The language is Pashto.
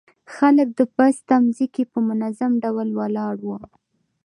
خلک د بس تمځي کې په منظم ډول ولاړ وو.